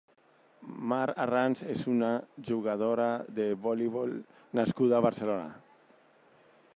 Mar Arranz és una jugadora de voleibol nascuda a Barcelona.